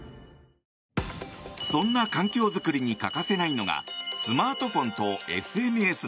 そんな環境づくりに欠かせないのがスマートフォンとＳＮＳだ。